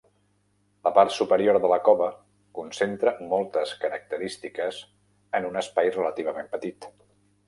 La part superior de la cova concentra moltes característiques en un espai relativament petit.